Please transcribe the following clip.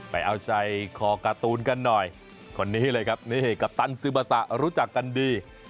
ไปเอาใจคอการ์ตูนกันหน่อยคนนี้เลยครับนี่กัปตันซึมาสะรู้จักกันดี